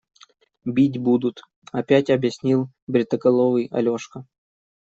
Бить будут, – опять объяснил бритоголовый Алешка.